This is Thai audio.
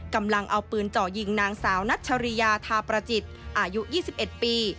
กำลังเอาปืนเจาะยิงนางสาวนัชริยาทาประจิตอายุ๒๑ปี